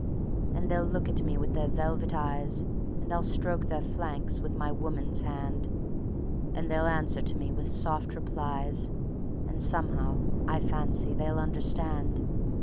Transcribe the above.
And they'll look at me with their velvet eyes And I'll stroke their flanks with my woman's hand, And they'll answer to me with soft replies, And somehow I fancy they'll understand.